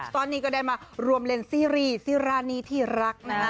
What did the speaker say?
ตอนนี้ก็ได้มารวมเลนซีรีส์ซีรานีที่รักนะ